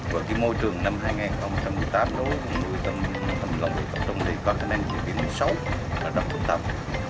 và môi trường năm hai nghìn một mươi tám nuôi tôm trong lòng bị cập trống thì có khả năng chống năng xấu